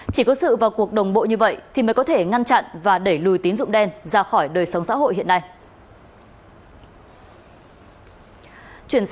chỉ có sự vào cuộc đồng bộ như vậy thì mới có thể ngăn chặn và đẩy lùi tín dụng đen ra khỏi đời sống xã hội hiện nay